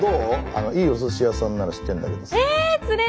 あのいいお寿司屋さんなら知ってんだけどさ。